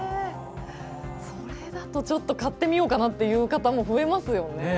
それだと買ってみようかなという方も増えますよね。